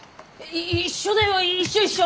一緒だよ一緒一緒！